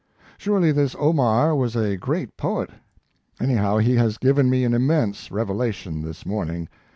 "Surely this Omar was a great poet. Anyhow, he has given me an immense revelation this morning.